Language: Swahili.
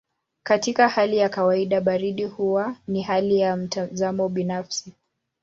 Katika hali ya kawaida baridi huwa ni hali ya mtazamo binafsi.